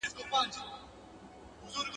• د زورور اوبه په پېچومي خېژي.